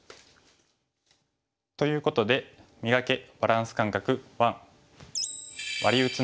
ということで「磨け！バランス感覚１」。